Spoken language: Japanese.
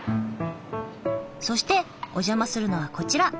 そしてお邪魔するのはこちら。